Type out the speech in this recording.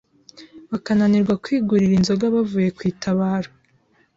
bakananirwa kwigurira inzoga bavuye ku itabaro